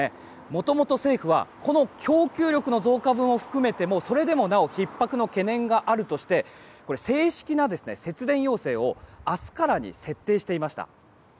もともと政府はこの供給力の増加分を含めてもそれでもなおひっ迫の懸念があるとして正式な節電要請を明日からに設定していました。